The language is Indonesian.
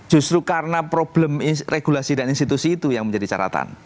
justru karena problem regulasi dan institusi itu yang menjadi catatan